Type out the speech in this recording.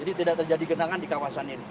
jadi tidak terjadi genangan di kawasan ini